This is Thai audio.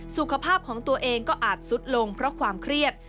สุขภาพของตัวเองก็อาจสุดลงเพราะความเครียด